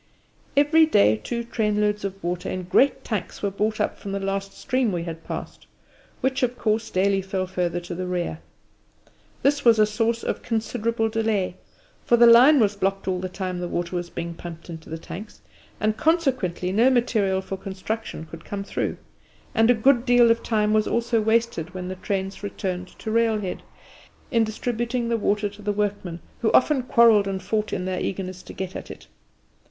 Every day two trainloads of water in great tanks were brought up from the last stream we had passed, which, of course, daily fell further to the rear. This was a source of considerable delay, for the line was blocked all the time the water was being pumped into the tanks, and consequently no material for construction could come through; and a good deal of time was also wasted, when the trains returned to railhead, in distributing the water to the workmen, who often quarrelled and fought in their eagerness to get at it.